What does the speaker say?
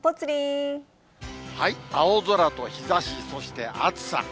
青空と日ざし、そして暑さ。